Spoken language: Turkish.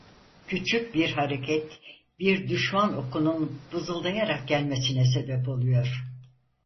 Küçük bir hareket bir düşman okunun vızıldayarak gelmesine sebep oluyor.